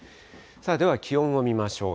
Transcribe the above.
では気温を見ましょう。